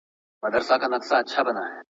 نړيوال حقوق د هيوادونو ترمنځ اړيکي ساتي.